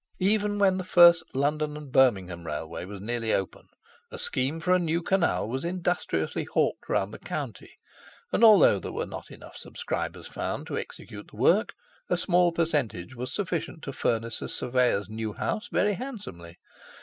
Even when the first London and Birmingham railway was nearly open, a scheme for a new canal was industriously hawked round the county; and, although there were not enough subscribers found to execute the work, a small percentage was sufficient to furnish a surveyor's new house very handsomely.